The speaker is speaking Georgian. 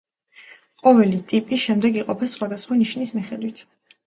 ყოველი ტიპი შემდეგ იყოფა სხვადასხვა ნიშნის მიხედვით.